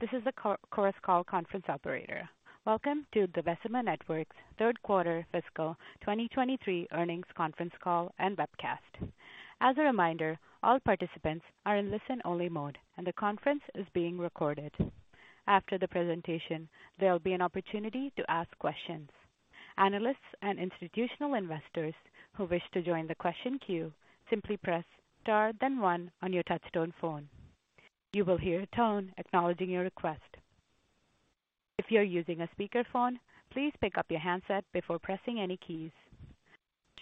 Hello, this is the co-conference call conference operator. Welcome to the Vecima Networks third quarter fiscal 2023 earnings conference call and webcast. As a reminder, all participants are in listen-only mode, and the conference is being recorded. After the presentation, there'll be an opportunity to ask questions. Analysts and institutional investors who wish to join the question queue, simply press star then one on your touchtone phone. You will hear a tone acknowledging your request. If you're using a speakerphone, please pick up your handset before pressing any keys.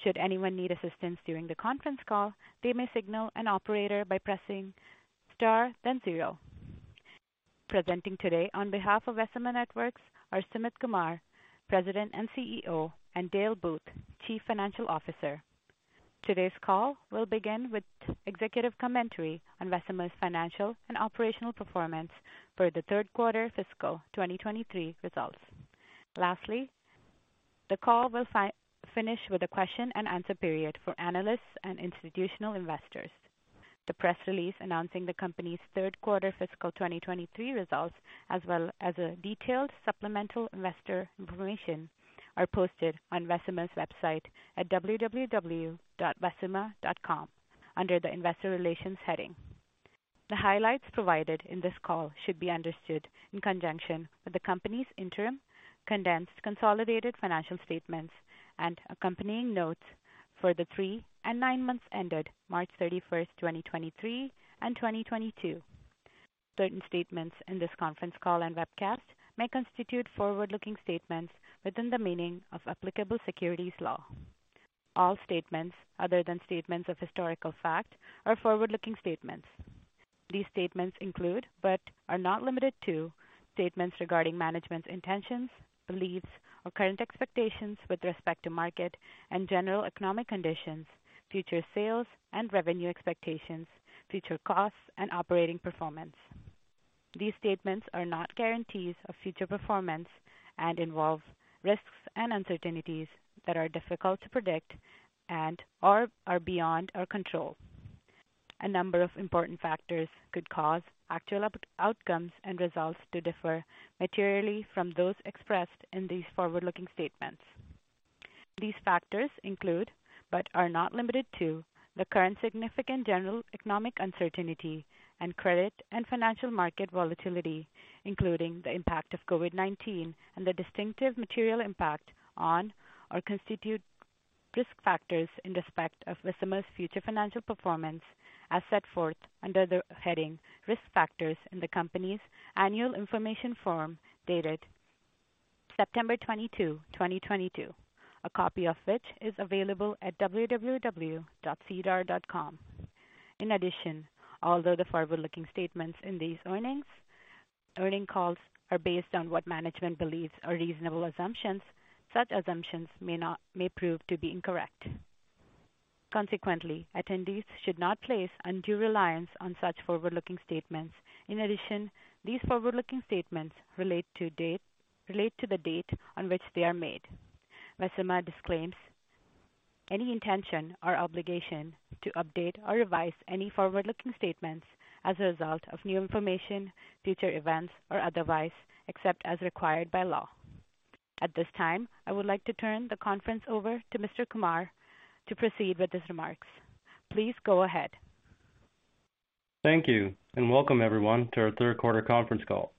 Should anyone need assistance during the conference call, they may signal an operator by pressing star then zero. Presenting today on behalf of Vecima Networks are Sumit Kumar, President and CEO, and Dale Booth, Chief Financial Officer. Today's call will begin with executive commentary on Vecima's financial and operational performance for the third quarter fiscal 2023 results. Lastly, the call will finish with a question-and-answer period for analysts and institutional investors. The press release announcing the company's third quarter fiscal 2023 results, as well as a detailed supplemental investor information, are posted on Vecima's website at www.vecima.com under the Investor Relations heading. The highlights provided in this call should be understood in conjunction with the company's interim condensed consolidated financial statements and accompanying notes for the three and nine months ended March 31st, 2023 and 2022. Certain statements in this conference call and webcast may constitute forward-looking statements within the meaning of applicable securities law. All statements other than statements of historical fact are forward-looking statements. These statements include, but are not limited to, statements regarding management's intentions, beliefs or current expectations with respect to market and general economic conditions, future sales and revenue expectations, future costs and operating performance. These statements are not guarantees of future performance and involve risks and uncertainties that are difficult to predict and/or are beyond our control. A number of important factors could cause actual outcomes and results to differ materially from those expressed in these forward-looking statements. These factors include, but are not limited to, the current significant general economic uncertainty and credit and financial market volatility, including the impact of COVID-19 and the distinctive material impact on or constitute risk factors in respect of Vecima's future financial performance as set forth under the heading Risk Factors in the company's Annual Information Form dated September 22, 2022, a copy of which is available at www.sedar.com. In addition, although the forward-looking statements in these earnings calls are based on what management believes are reasonable assumptions, such assumptions may prove to be correct. Consequently, attendees should not place undue reliance on such forward-looking statements. In addition, these forward-looking statements relate to the date on which they are made. Vecima disclaims any intention or obligation to update or revise any forward-looking statements as a result of new information, future events or otherwise, except as required by law. At this time, I would like to turn the conference over to Mr. Kumar to proceed with his remarks. Please go ahead. Thank you and welcome everyone to our third quarter conference call.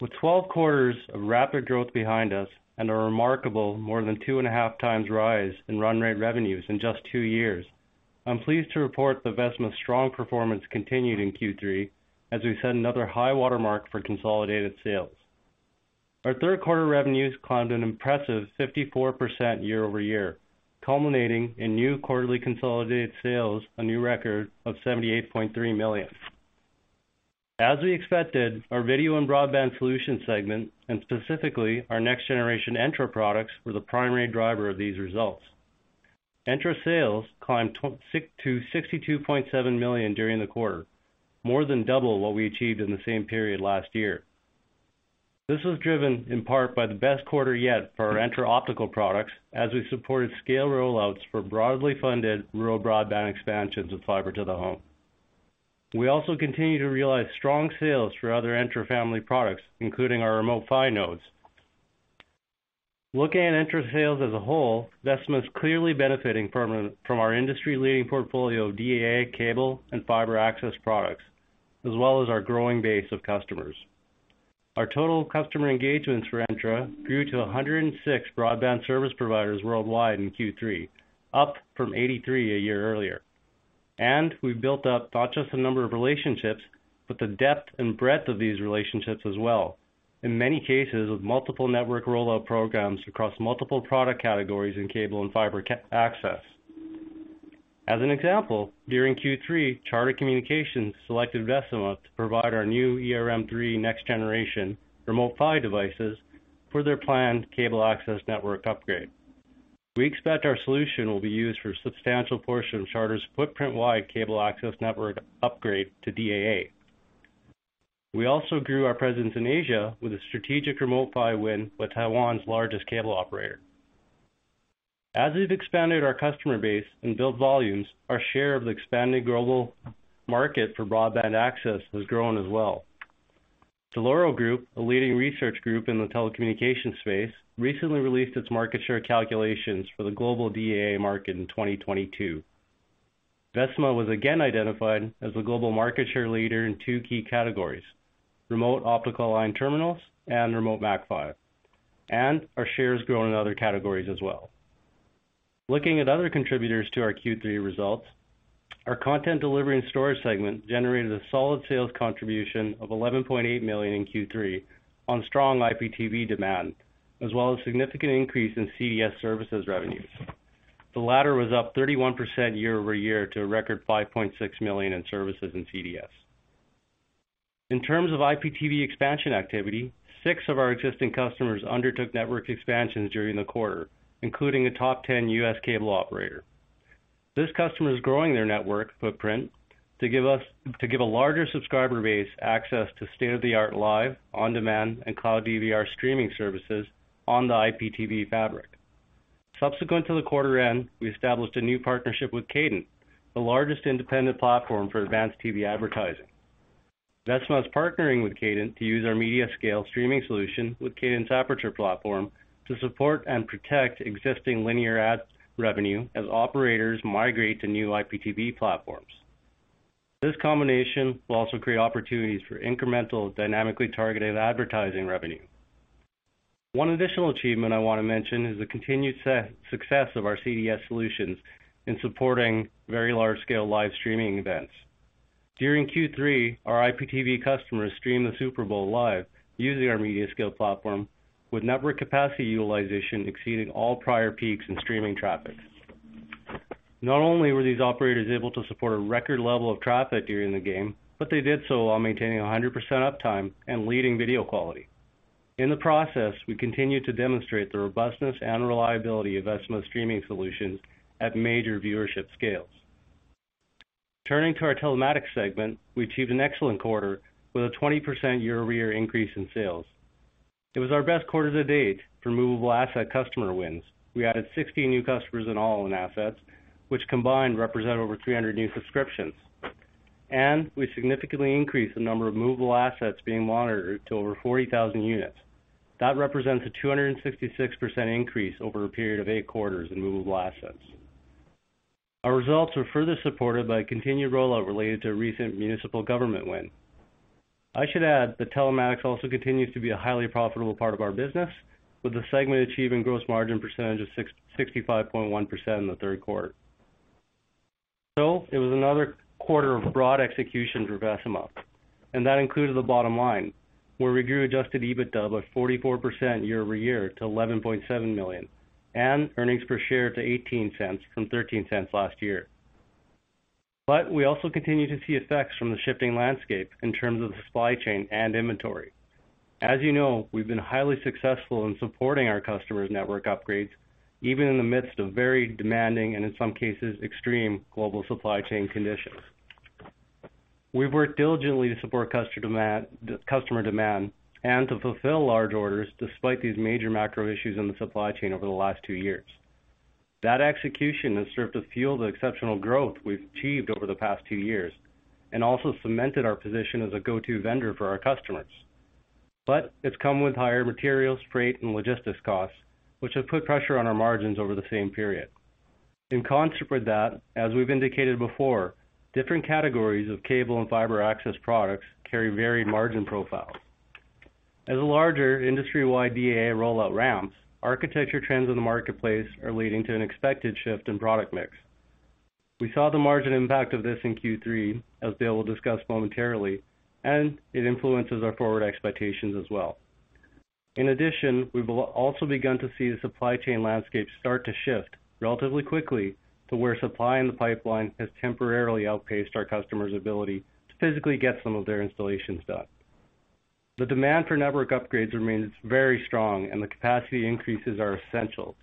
With 12 quarters of rapid growth behind us and a remarkable more than 2.5x rise in run rate revenues in just two years, I'm pleased to report that Vecima's strong performance continued in Q3 as we set another high watermark for consolidated sales. Our third quarter revenues climbed an impressive 54% year-over-year, culminating in new quarterly consolidated sales, a new record of 78.3 million. As we expected, our Video and Broadband Solutions segment, and specifically our next generation Entra products, were the primary driver of these results. Entra sales climbed to 62.7 million during the quarter, more than double what we achieved in the same period last year. This was driven in part by the best quarter yet for our Entra optical products as we supported scale rollouts for broadly funded rural broadband expansions of fiber-to-the-home. We also continue to realize strong sales for other Entra family products, including our Remote PHY nodes. Looking at Entra sales as a whole, Vecima is clearly benefiting from our industry-leading portfolio of DAA cable and fiber access products, as well as our growing base of customers. Our total customer engagements for Entra grew to 106 broadband service providers worldwide in Q3, up from 83 a year earlier. We've built up not just the number of relationships, but the depth and breadth of these relationships as well. In many cases with multiple network rollout programs across multiple product categories in cable and fiber access. As an example, during Q3, Charter Communications selected Vecima to provide our new ERM3 next generation Remote PHY devices for their planned cable access network upgrade. We expect our solution will be used for a substantial portion of Charter's footprint-wide cable access network upgrade to DAA. We also grew our presence in Asia with a strategic Remote PHY win with Taiwan's largest cable operator. As we've expanded our customer base and built volumes, our share of the expanding global market for broadband access has grown as well. Dell'Oro Group, a leading research group in the telecommunications space, recently released its market share calculations for the global DAA market in 2022. Vecima was again identified as the global market share leader in two key categories: Remote Optical Line Terminals and Remote MACPHY. Our share has grown in other categories as ell. Looking at other contributors to our Q3 results, our Content Delivery and Storage segment generated a solid sales contribution of 11.8 million in Q3 on strong IPTV demand, as well as significant increase in CDS services revenues. The latter was up 31% year-over-year to a record 5.6 million in services in CDS. In terms of IPTV expansion activity, six of our existing customers undertook network expansions during the quarter, including a top 10 U.S. cable operator. This customer is growing their network footprint to give a larger subscriber base access to state-of-the-art live, on-demand, and Cloud DVR streaming services on the IPTV fabric. Subsequent to the quarter end, we established a new partnership with Cadent, the largest independent platform for advanced TV advertising. Vecima is partnering with Cadent to use our MediaScale streaming solution with Cadent's Aperture platform to support and protect existing linear ad revenue as operators migrate to new IPTV platforms. This combination will also create opportunities for incremental, dynamically targeted advertising revenue. One additional achievement I want to mention is the continued success of our CDS solutions in supporting very large-scale live streaming events. During Q3, our IPTV customers streamed the Super Bowl live using our MediaScale platform, with network capacity utilization exceeding all prior peaks in streaming traffic. Not only were these operators able to support a record level of traffic during the game, but they did so while maintaining 100% uptime and leading video quality. In the process, we continued to demonstrate the robustness and reliability of Vecima's streaming solutions at major viewership scales. Turning to our Telematics segment, we achieved an excellent quarter with a 20% year-over-year increase in sales. It was our best quarter to date for movable asset customer wins. We added 60 new customers in all in assets, which combined represent over 300 new subscriptions, and we significantly increased the number of movable assets being monitored to over 40,000 units. That represents a 266% increase over a period of eight quarters in movable assets. Our results were further supported by continued rollout related to a recent municipal government win. I should add that Telematics also continues to be a highly profitable part of our business, with the segment achieving gross margin percentage of 65.1% in the third quarter. It was another quarter of broad execution for Vecima, and that included the bottom line, where we grew adjusted EBITDA by 44% year-over-year to 11.7 million, and earnings per share to 0.18 from 0.13 last year. We also continue to see effects from the shifting landscape in terms of the supply chain and inventory. As you know, we've been highly successful in supporting our customers' network upgrades, even in the midst of very demanding and in some cases, extreme global supply chain conditions. We've worked diligently to support customer demand, and to fulfill large orders despite these major macro issues in the supply chain over the last two years. That execution has served to fuel the exceptional growth we've achieved over the past two years and also cemented our position as a go-to vendor for our customers. It's come with higher materials, freight, and logistics costs, which have put pressure on our margins over the same period. In concert with that, as we've indicated before, different categories of cable and fiber access products carry varied margin profiles. As a larger industry-wide DAA rollout ramps, architecture trends in the marketplace are leading to an expected shift in product mix. We saw the margin impact of this in Q3, as Dale will discuss momentarily, and it influences our forward expectations as well. In addition, we also begun to see the supply chain landscape start to shift relatively quickly to where supply in the pipeline has temporarily outpaced our customers' ability to physically get some of their installations done. The demand for network upgrades remains very strong, and the capacity increases are essential.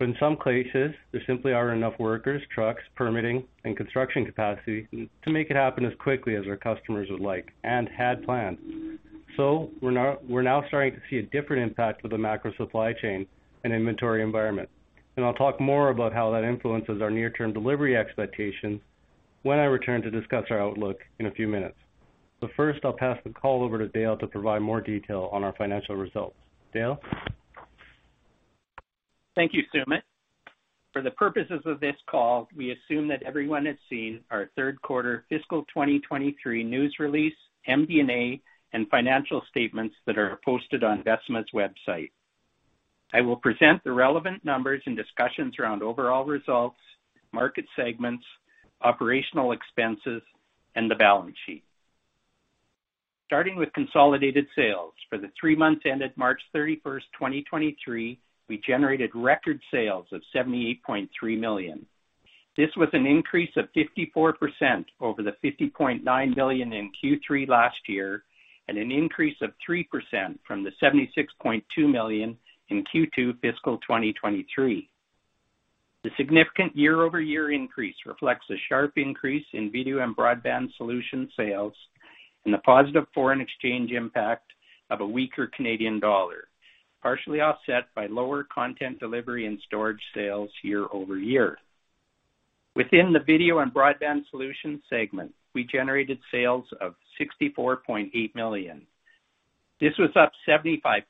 In some cases, there simply aren't enough workers, trucks, permitting, and construction capacity to make it happen as quickly as our customers would like and had planned. We're now starting to see a different impact of the macro supply chain and inventory environment. I'll talk more about how that influences our near-term delivery expectations when I return to discuss our outlook in a few minutes. First, I'll pass the call over to Dale to provide more detail on our financial results. Dale? Thank you, Sumit. For the purposes of this call, we assume that everyone has seen our third quarter fiscal 2023 news release, MD&A, and financial statements that are posted on Vecima's website. I will present the relevant numbers and discussions around overall results, market segments, operational expenses, and the balance sheet. Starting with consolidated sales. For the three months ended March 31st, 2023, we generated record sales of 78.3 million. This was an increase of 54% over the 50.9 million in Q3 last year and an increase of 3% from the 76.2 million in Q2 fiscal 2023. The significant year-over-year increase reflects a sharp increase in video and broadband solution sales and the positive foreign exchange impact of a weaker Canadian dollar, partially offset by lower Content Delivery and Storage sales year-over-year. Within the Video and Broadband Solutions segment, we generated sales of 64.8 million. This was up 75%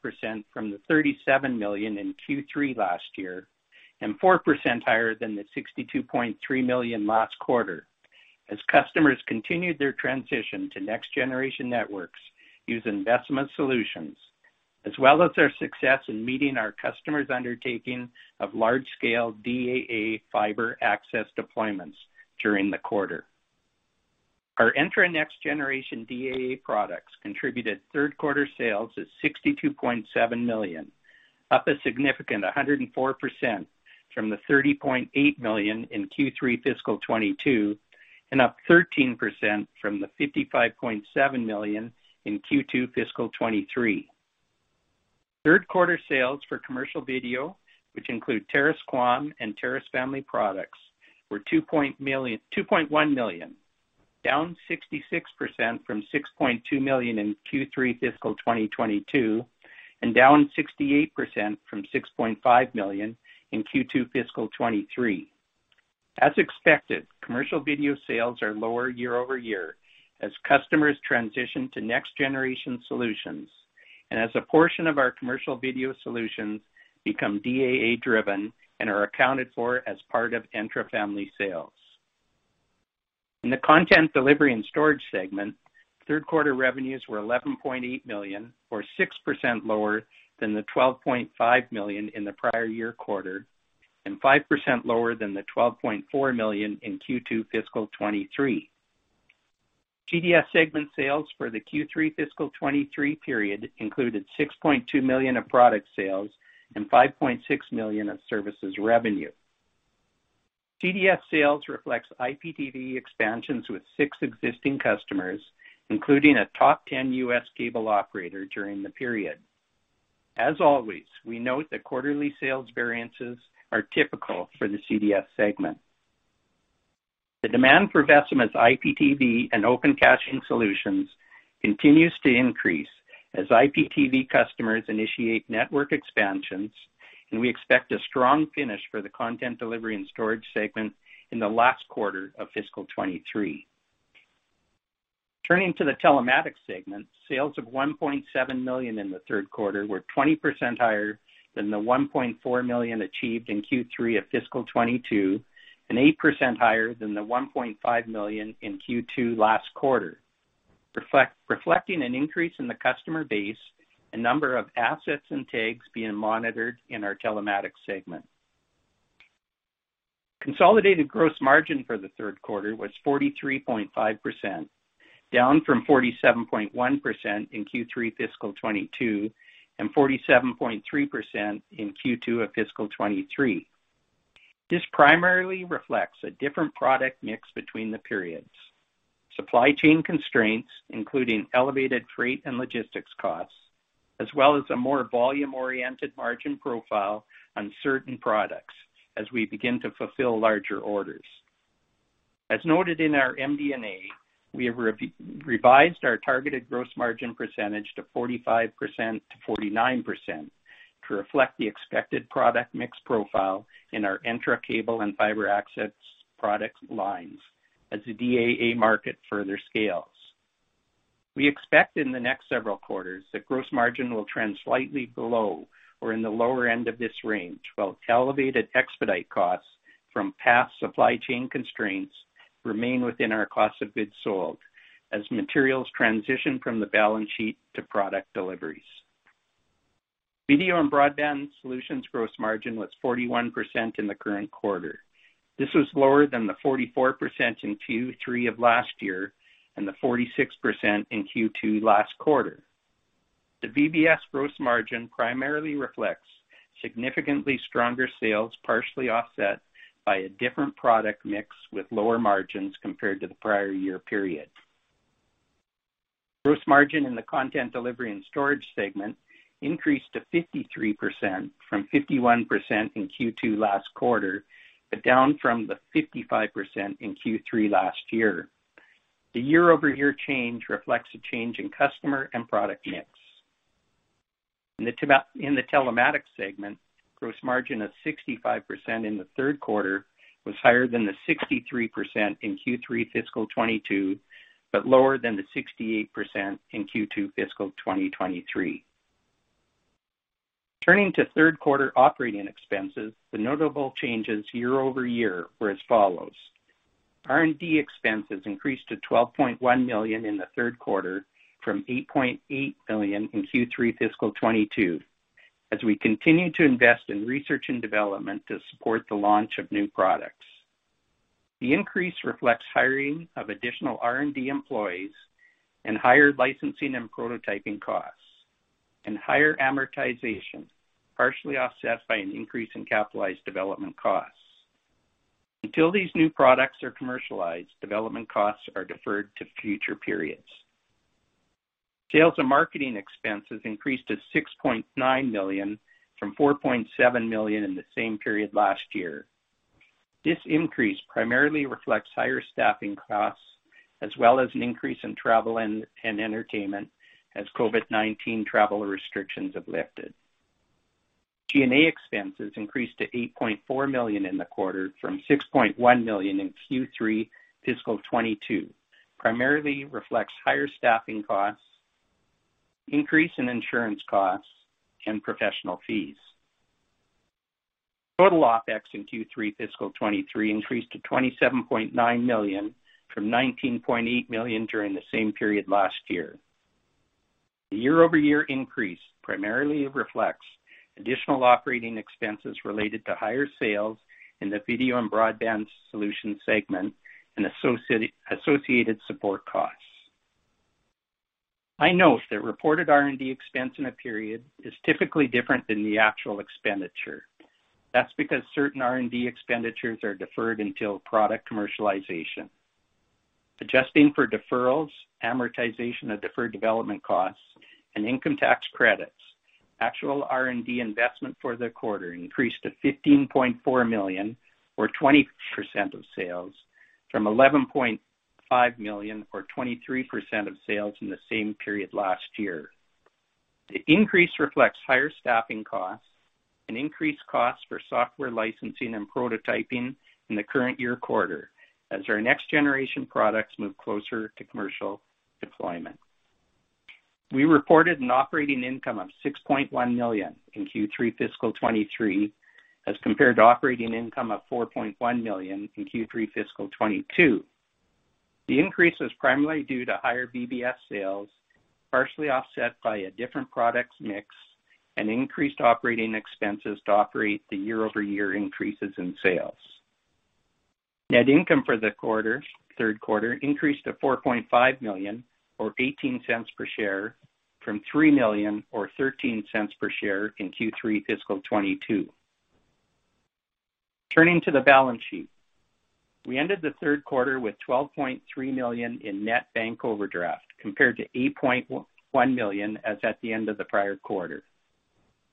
from the 37 million in Q3 last year and 4% higher than the 62.3 million last quarter as customers continued their transition to next-generation networks using Vecima solutions, as well as our success in meeting our customers' undertaking of large-scale DAA fiber access deployments during the quarter. Our Entra next-generation DAA products contributed third-quarter sales at 62.7 million, up a significant 104% from the 30.8 million in Q3 fiscal 2022, and up 13% from the 55.7 million in Q2 fiscal 2023. Third quarter sales for commercial video, which include Terrace QAM and Terrace family products, were 2.1 million, down 66% from 6.2 million in Q3 fiscal 2022, and down 68% from 6.5 million in Q2 fiscal 2023. As expected, commercial video sales are lower year-over-year as customers transition to next-generation solutions and as a portion of our commercial video solutions become DAA driven and are accounted for as part of Entra family sales. In the Content Delivery and Storage segment, third quarter revenues were 11.8 million, or 6% lower than the 12.5 million in the prior year quarter, and 5% lower than the 12.4 million in Q2 fiscal 2023. CDS segment sales for the Q3 fiscal 2023 period included 6.2 million of product sales and 5.6 million of services revenue. CDS sales reflects IPTV expansions with six existing customers, including a top 10 U.S. cable operator during the period. As always, we note that quarterly sales variances are typical for the CDS segment. The demand for Vecima's IPTV and Open Caching solutions continues to increase as IPTV customers initiate network expansions, and we expect a strong finish for the Content Delivery and Storage segment in the last quarter of fiscal 2023. Turning to the Telematics segment, sales of 1.7 million in the third quarter were 20% higher than the 1.4 million achieved in Q3 of fiscal 2022, and 8% higher than the 1.5 million in Q2 last quarter. Reflect, reflecting an increase in the customer base, a number of assets and tags being monitored in our Telematics segment. Consolidated gross margin for the third quarter was 43.5%, down from 47.1% in Q3 fiscal 2022 and 47.3% in Q2 of fiscal 2023. This primarily reflects a different product mix between the periods, supply chain constraints, including elevated freight and logistics costs, as well as a more volume-oriented margin profile on certain products as we begin to fulfill larger orders. As noted in our MD&A, we have revised our targeted gross margin percentage to 45%-49% to reflect the expected product mix profile in our Entra cable and fiber access product lines as the DAA market further scales. We expect in the next several quarters that gross margin will trend slightly below or in the lower end of this range while elevated expedite costs from past supply chain constraints remain within our cost of goods as materials transition from the balance sheet to product deliveries. Video and Broadband Solutions gross margin was 41% in the current quarter. This was lower than the 44% in Q3 of last year and the 46% in Q2 last quarter. The VBS gross margin primarily reflects significantly stronger sales, partially offset by a different product mix with lower margins compared to the prior year period. Gross margin in the Content Delivery and Storage segment increased to 53% from 51% in Q2 last quarter, down from the 55% in Q3 last year. The year-over-year change reflects a change in customer and product mix. In the Telematics segment, gross margin of 65% in the third quarter was higher than the 63% in Q3 fiscal 2022, lower than the 68% in Q2 fiscal 2023. Turning to third quarter operating expenses, the notable changes year-over-year were as follows: R&D expenses increased to 12.1 million in the third quarter from 8.8 million in Q3 fiscal 2022 as we continue to invest in research and development to support the launch of new products. The increase reflects hiring of additional R&D employees and higher licensing and prototyping costs and higher amortization, partially offset by an increase in capitalized development costs. Until these new products are commercialized, development costs are deferred to future periods. Sales and marketing expenses increased to 6.9 million from 4.7 million in the same period last year. This increase primarily reflects higher staffing costs as well as an increase in travel and entertainment as COVID-19 travel restrictions have lifted. G&A expenses increased to 8.4 million in the quarter from 6.1 million in Q3 fiscal 2022. Primarily reflects higher staffing costs, increase in insurance costs, and professional fees. Total OpEx in Q3 fiscal 2023 increased to 27.9 million from 19.8 million during the same period last year. The year-over-year increase primarily reflects additional operating expenses related to higher sales in the Video and Broadband Solutions segment and associated support costs. I note that reported R&D expense in a period is typically different than the actual expenditure. That's because certain R&D expenditures are deferred until product commercialization. Adjusting for deferrals, amortization of deferred development costs, and income tax credits, actual R&D investment for the quarter increased to 15.4 million or 20% of sales from 11.5 million or 23% of sales in the same period last year. The increase reflects higher staffing costs and increased costs for software licensing and prototyping in the current year quarter as our next generation products move closer to commercial deployment. We reported an operating income of 6.1 million in Q3 fiscal 2023 as compared to operating income of 4.1 million in Q3 fiscal 2022. The increase was primarily due to higher VBS sales, partially offset by a different products mix and increased operating expenses to operate the year-over-year increases in sales. Net income for the quarter, third quarter, increased to 4.5 million or 0.18 per share from 3 million or 0.13 per share in Q3 fiscal 2022. Turning to the balance sheet. We ended the third quarter with 12.3 million in net bank overdraft, compared to 8.1 million as at the end of the prior quarter.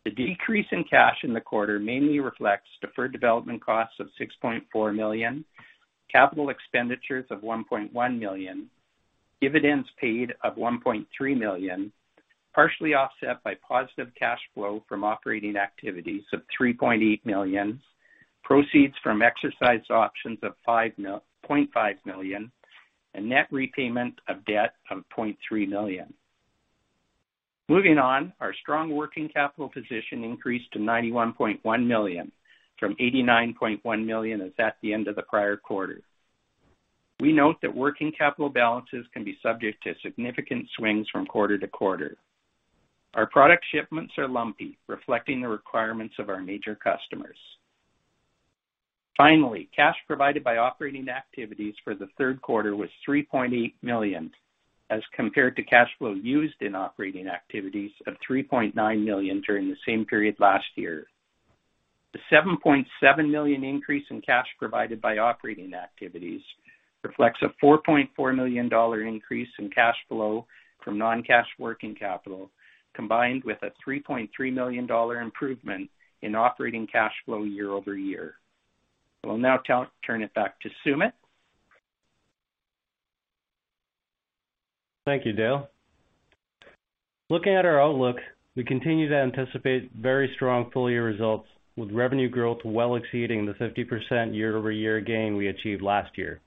The decrease in cash in the quarter mainly reflects deferred development costs of 6.4 million, capital expenditures of 1.1 million, dividends paid of 1.3 million, partially offset by positive cash flow from operating activities of 3.8 million, proceeds from exercise options of 0.5 million, and net repayment of debt of 0.3 million. Moving on, our strong working capital position increased to 91.1 million from 89.1 million as at the end of the prior quarter. We note that working capital balances can be subject to significant swings from quarter to quarter. Our product shipments are lumpy, reflecting the requirements of our major customers. Finally, cash provided by operating activities for the third quarter was 3.8 million, as compared to cash flow used in operating activities of 3.9 million during the same period last year. The 7.7 million increase in cash provided by operating activities reflects a 4.4 million dollar increase in cash flow from non-cash working capital, combined with a 3.3 million dollar improvement in operating cash flow year-over-year. I will now turn it back to Sumit. Thank you, Dale. Looking at our outlook, we continue to anticipate very strong full-year results, with revenue growth well exceeding the 50% year-over-year gain we achieved last year.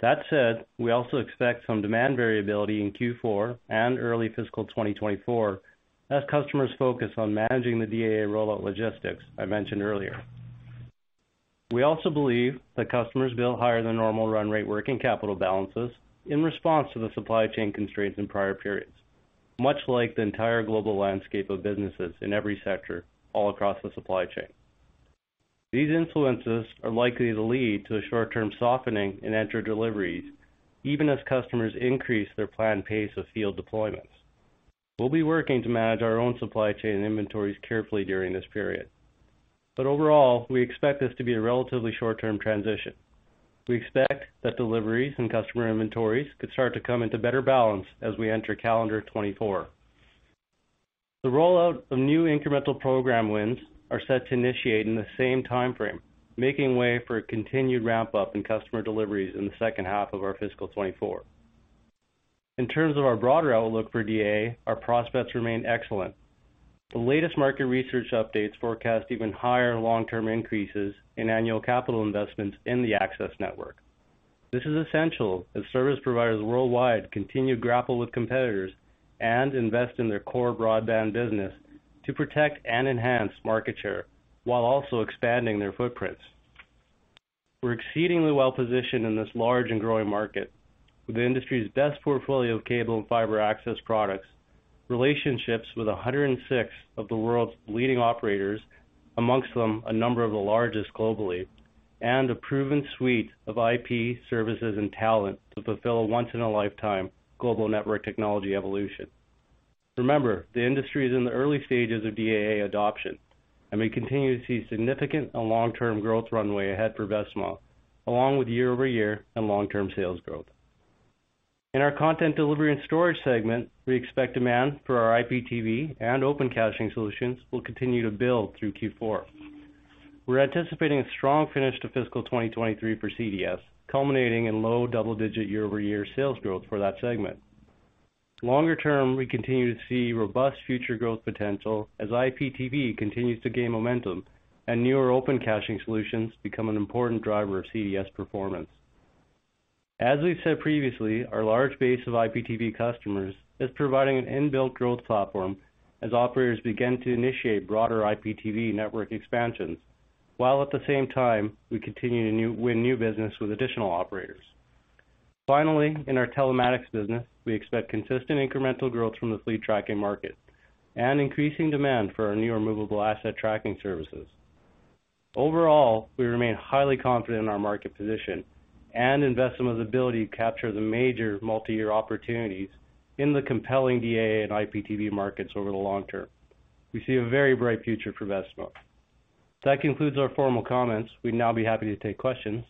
That said, we also expect some demand variability in Q4 and early fiscal 2024 as customers focus on managing the DAA rollout logistics I mentioned earlier. We also believe that customers build higher than normal run rate working capital balances in response to the supply chain constraints in prior periods, much like the entire global landscape of businesses in every sector all across the supply chain. These influences are likely to lead to a short-term softening in Entra deliveries even as customers increase their planned pace of field deployments. We'll be working to manage our own supply chain and inventories carefully during this period. Overall, we expect this to be a relatively short-term transition. We expect that deliveries and customer inventories could start to come into better balance as we enter calendar 2024. The rollout of new incremental program wins are set to initiate in the same timeframe, making way for a continued ramp-up in customer deliveries in the second half of our fiscal 2024. In terms of our broader outlook for DAA, our prospects remain excellent. The latest market research updates forecast even higher long-term increases in annual capital investments in the access network. This is essential as service providers worldwide continue to grapple with competitors and invest in their core broadband business to protect and enhance market share while also expanding their footprints. We're exceedingly well-positioned in this large and growing market with the industry's best portfolio of cable and fiber access products, relationships with 106 of the world's leading operators, amongst them, a number of the largest globally, and a proven suite of IP services and talent to fulfill a once-in-a-lifetime global network technology evolution. Remember, the industry is in the early stages of DAA adoption, and we continue to see significant and long-term growth runway ahead for Vecima, along with year-over-year and long-term sales growth. In our Content Delivery and Storage segment, we expect demand for our IPTV and Open Caching solutions will continue to build through Q4. We're anticipating a strong finish to fiscal 2023 for CDS, culminating in low double-digit year-over-year sales growth for that segment. Longer term, we continue to see robust future growth potential as IPTV continues to gain momentum and newer Open Caching solutions become an important driver of CDS performance. As we've said previously, our large base of IPTV customers is providing an inbuilt growth platform as operators begin to initiate broader IPTV network expansions, while at the same time, we continue to win new business with additional operators. Finally, in our Telematics business, we expect consistent incremental growth from the fleet tracking market and increasing demand for our new removable asset tracking services. Overall, we remain highly confident in our market position and in Vecima's ability to capture the major multi-year opportunities in the compelling DAA and IPTV markets over the long-term. We see a very bright future for Vecima. That concludes our formal comments. We'd now be happy to take questions.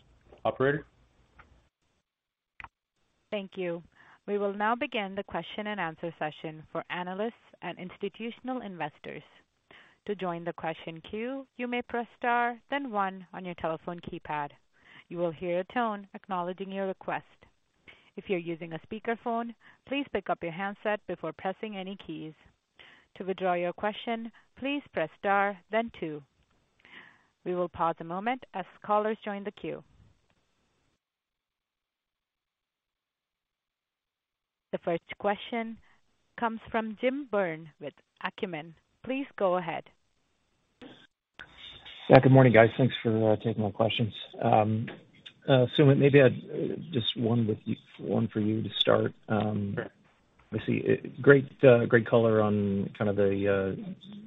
Operator? Thank you. We will now begin the question-and-answer session for analysts and institutional investors. To join the question queue, you may press star then one on your telephone keypad. You will hear a tone acknowledging your request. If you're using a speakerphone, please pick up your handset before pressing any keys. To withdraw your question, please press star then two. We will pause a moment as callers join the queue. The first question comes from Jim Byrne with Acumen. Please go ahead. Yeah, good morning, guys. Thanks for taking my questions. Sumit, maybe I'd just one for you to start. I see great great color on kind of the,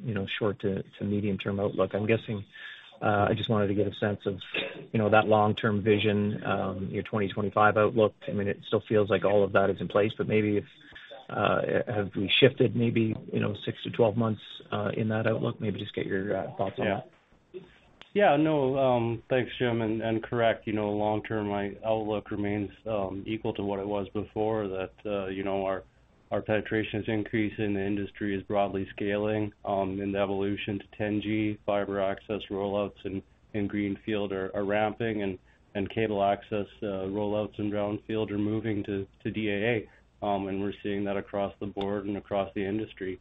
you know, short to medium-term outlook. I'm guessing, I just wanted to get a sense of, you know, that long-term vision, your 2025 outlook. I mean, it still feels like all of that is in place, but maybe if have we shifted maybe, you know, six to 12 months in that outlook? Maybe just get your thoughts on that. Yeah. Yeah, no, thanks, Jim, and correct. You know, long-term, my outlook remains equal to what it was before that, you know, our penetration is increasing, the industry is broadly scaling, and the evolution to 10G fiber access rollouts in greenfield are ramping and cable access rollouts in brownfield are moving to DAA, and we're seeing that across the board and across the industry.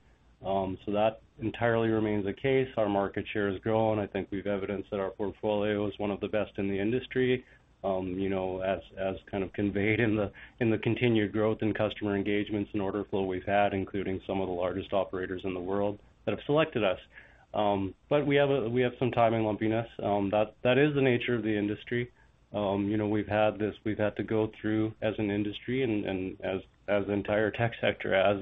That entirely remains the case. Our market share has grown. I think we've evidenced that our portfolio is one of the best in the industry, you know, as kind of conveyed in the continued growth in customer engagements and order flow we've had, including some of the largest operators in the world that have selected us. We have some timing lumpiness, that is the nature of the industry. You know, we've had this, we've had to go through as an industry and as an entire tech sector as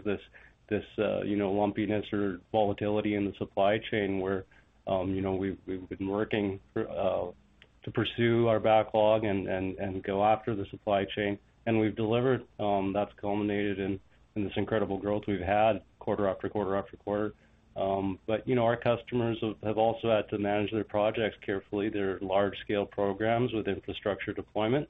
this, you know, lumpiness or volatility in the supply chain where, you know, we've been working for to pursue our backlog and go after the supply chain, and we've delivered, that's culminated in this incredible growth we've had quarter after quarter after quarter. You know, our customers have also had to manage their projects carefully. They're large-scale programs with infrastructure deployment.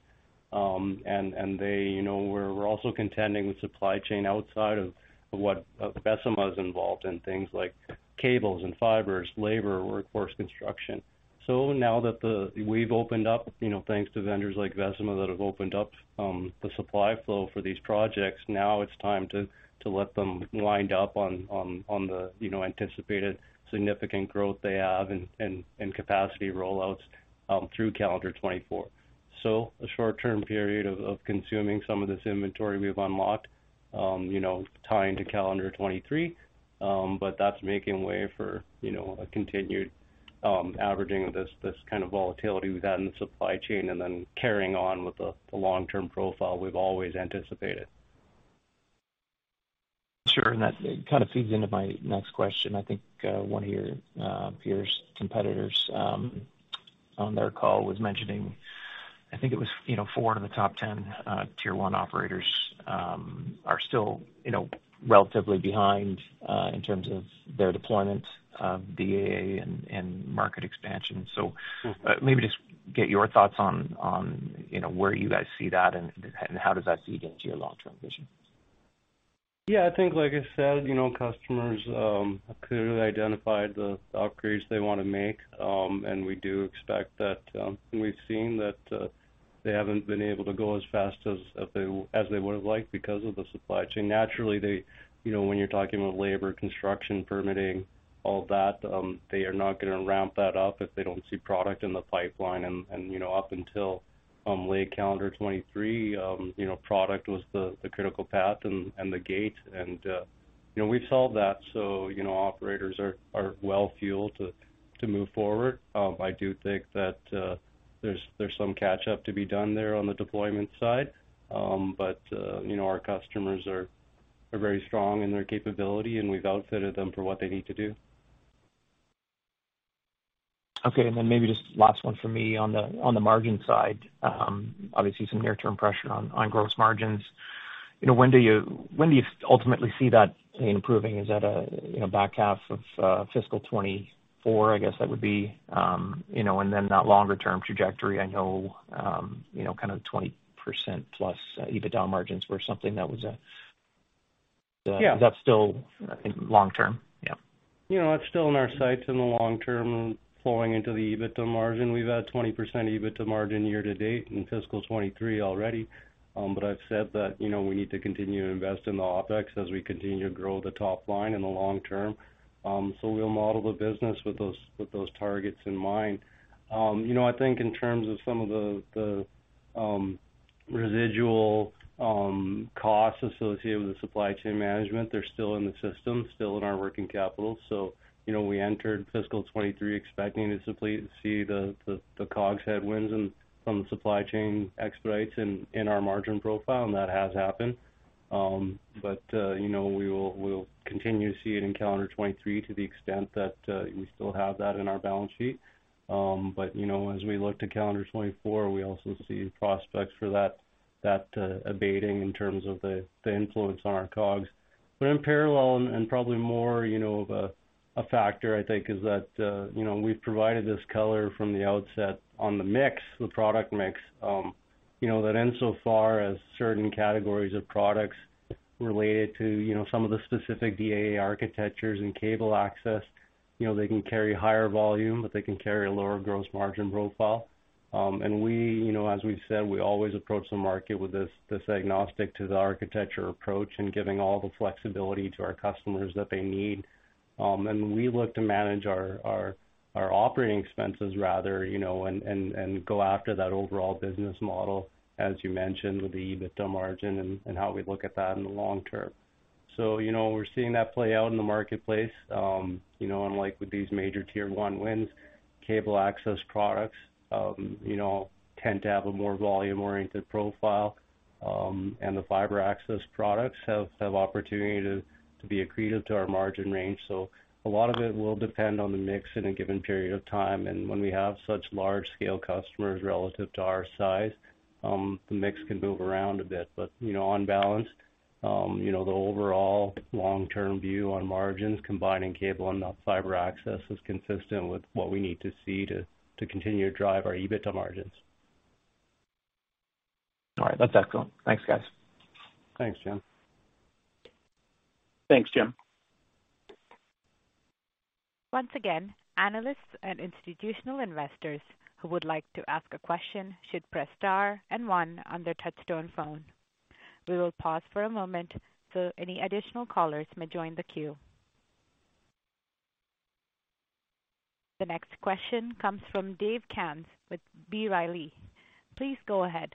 They, you know, we're also contending with supply chain outside of what Vecima is involved in, things like cables and fibers, labor, workforce construction. Now that we've opened up, you know, thanks to vendors like Vecima that have opened up, the supply flow for these projects, now it's time to let them wind up on the, you know, anticipated significant growth they have and capacity rollouts through calendar 2024. A short-term period of consuming some of this inventory we've unlocked, you know, tying to calendar 2023, but that's making way for, you know, a continued averaging of this kind of volatility we've had in the supply chain and then carrying on with the long-term profile we've always anticipated. Sure. That kind of feeds into my next question. I think, one of your peers, competitors, on their call was mentioning I think it was, you know, four out of the top 10 Tier 1 operators, are still, you know, relatively behind, in terms of their deployment of DAA and market expansion. Maybe just get your thoughts on, you know, where you guys see that and how does that feed into your long-term vision? Yeah, I think like I said, you know, customers have clearly identified the upgrades they wanna make, and we do expect that, and we've seen that they haven't been able to go as fast as they would have liked because of the supply chain. Naturally, they, you know, when you're talking about labor, construction, permitting, all that, they are not gonna ramp that up if they don't see product in the pipeline and, you know, up until late calendar 2023, you know, product was the critical path and the gate and, you know, we've solved that, so, you know, operators are well fueled to move forward. I do think that there's some catch up to be done there on the deployment side. You know, our customers are very strong in their capability, and we've outfitted them for what they need to do. Okay. Then maybe just last one for me on the, on the margin side. Obviously some near-term pressure on gross margins. You know, when do you, when do you ultimately see that improving? Is that, you know, back half of fiscal 2024? I guess that would be, you know, and then that longer term trajectory. I know, you know, kind of 20% plus EBITDA margins were something that was. Is that still long-term? You know, it's still in our sights in the long-term flowing into the EBITDA margin. We've had 20% EBITDA margin year to date in fiscal 2023 already. I've said that, you know, we need to continue to invest in the OpEx as we continue to grow the top line in the long-term. We'll model the business with those targets in mind. You know, I think in terms of some of the residual costs associated with the supply chain management, they're still in the system, still in our working capital. You know, we entered fiscal 2023 expecting to simply see the COGS headwinds and from supply chain expedites in our margin profile, and that has happened. We will, we'll continue to see it in calendar 2023 to the extent that we still have that in our balance sheet. As we look to calendar 2024, we also see prospects for that abating in terms of the influence on our COGS. In parallel and probably more of a factor, I think, is that we've provided this color from the outset on the mix, the product mix. That insofar as certain categories of products related to some of the specific DAA architectures and cable access, they can carry higher volume, but they can carry a lower gross margin profile. We, you know, as we've said, we always approach the market with this agnostic to the architecture approach and giving all the flexibility to our customers that they need. We look to manage our operating expenses rather, you know, and go after that overall business model, as you mentioned, with the EBITDA margin and how we look at that in the long-term. You know, we're seeing that play out in the marketplace. You know, unlike with these major Tier 1 wins, cable access products, you know, tend to have a more volume-oriented profile, and the fiber access products have opportunity to be accretive to our margin range. A lot of it will depend on the mix in a given period of time. When we have such large scale customers relative to our size, the mix can move around a bit. You know, on balance, you know, the overall long-term view on margins combining cable and the fiber access is consistent with what we need to see to continue to drive our EBITDA margins. All right. That's excellent. Thanks, guys. Thanks, Jim. Thanks, Jim. Once again, analysts and institutional investors who would like to ask a question should press star and one on their touchtone phone. We will pause for a moment so any additional callers may join the queue. The next question comes from Dave Kang with B. Riley. Please go ahead.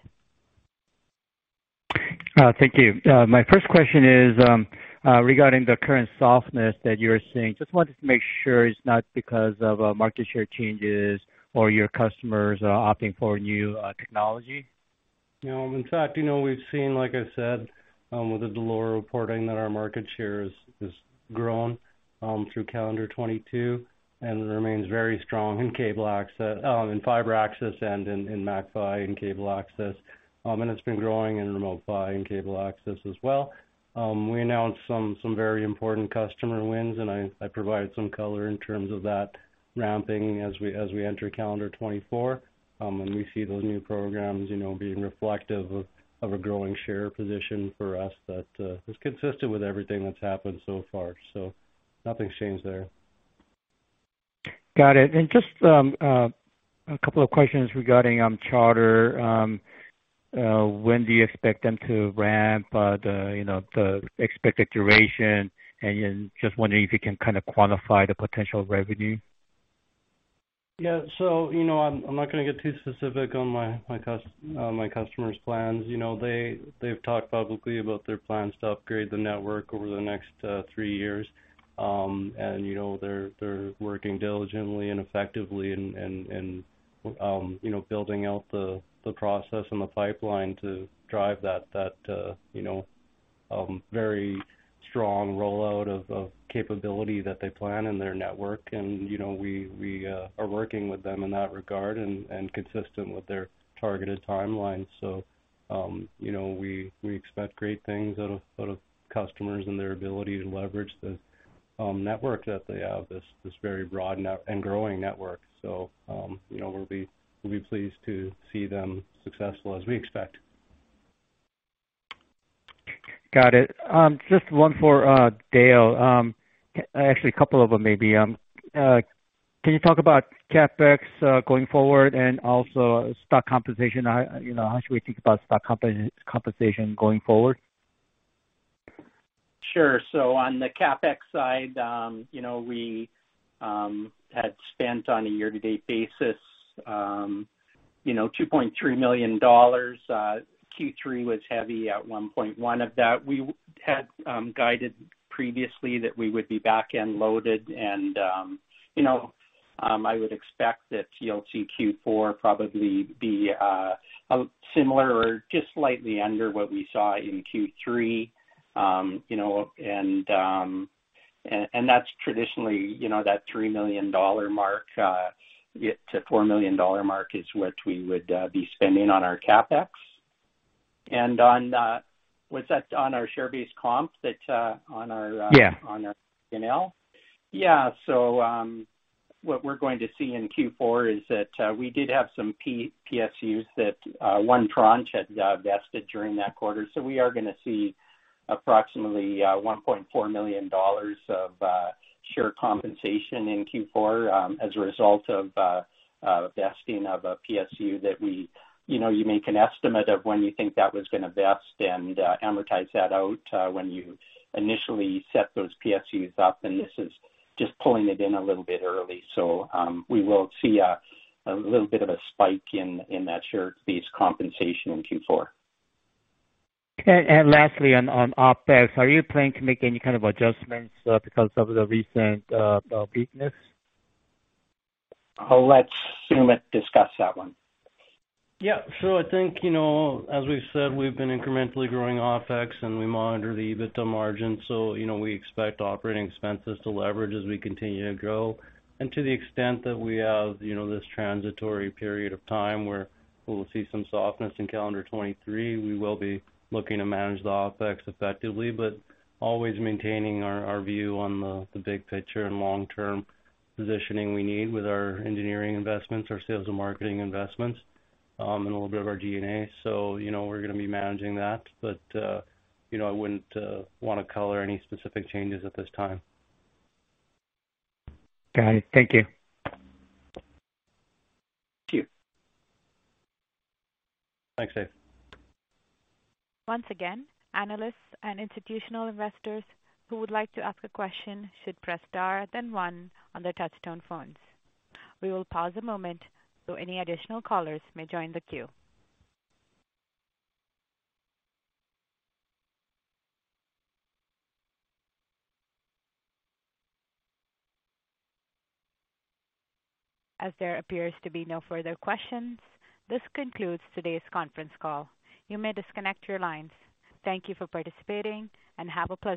Thank you. My first question is regarding the current softness that you're seeing. Just wanted to make sure it's not because of market share changes or your customers are opting for new technology. You know, in fact, you know, we've seen, like I said, with the Dell'Oro reporting that our market share has grown through calendar 2022 and remains very strong in cable access, in fiber access and in MACPHY in cable access. It's been growing in Remote PHY in cable access as well. We announced some very important customer wins, and I provided some color in terms of that ramping as we enter calendar 2024. We see those new programs, you know, being reflective of a growing share position for us that is consistent with everything that's happened so far. Nothing's changed there. Got it. Just a couple of questions regarding Charter. When do you expect them to ramp, the, you know, the expected duration? Just wondering if you can kind of quantify the potential revenue. You know, I'm not gonna get too specific on my customer's plans. You know, they've talked publicly about their plans to upgrade the network over the next three years. You know, they're working diligently and effectively and, you know, building out the process and the pipeline to drive that, you know, very strong rollout of capability that they plan in their network. You know, we are working with them in that regard and consistent with their targeted timelines. You know, we expect great things out of customers and their ability to leverage the network that they have, this very broad and growing network. You know, we'll be pleased to see them successful as we expect. Got it. Just one for Dale. Actually a couple of them maybe. Can you talk about CapEx going forward and also stock compensation? You know, how should we think about stock compensation going forward? Sure. On the CapEx side, you know, we had spent on a year-to-date basis, you know, 2.3 million dollars. Q3 was heavy at 1.1 million of that. We had guided previously that we would be back-end loaded and, you know, I would expect that, you know, Q4 probably be similar or just slightly under what we saw in Q3. You know, and that's traditionally, you know, that 3 million dollar mark, to 4 million dollar mark is what we would be spending on our CapEx. On, was that on our share-based comp that, on our. Yeah. On our P&L? Yeah. What we're going to see in Q4 is that, we did have some PSUs that one tranche had vested during that quarter. We are gonna see approximately 1.4 million dollars of share compensation in Q4, as a result of vesting of a PSU that we. You know, you make an estimate of when you think that was gonna vest and amortize that out when you initially set those PSUs up, and this is just pulling it in a little bit early. We will see a little bit of a spike in that share-based compensation in Q4. Okay. Lastly, on OpEx, are you planning to make any kind of adjustments, because of the recent weakness? I'll let Sumit discuss that one. Yeah. I think, you know, as we've said, we've been incrementally growing OpEx, and we monitor the EBITDA margin. We expect operating expenses to leverage as we continue to grow. To the extent that we have, you know, this transitory period of time where we'll see some softness in calendar 2023, we will be looking to manage the OpEx effectively, but always maintaining our view on the big picture and long-term positioning we need with our engineering investments, our sales and marketing investments, and a little bit of our DNA. We're gonna be managing that. I wouldn't wanna color any specific changes at this time. Got it. Thank you. Thank you. Thanks, Dave. Once again, analysts and institutional investors who would like to ask a question should press star then one on their touchtone phones. We will pause a moment so any additional callers may join the queue. There appears to be no further questions, this concludes today's conference call. You may disconnect your lines. Thank you for participating and have a pleasant day.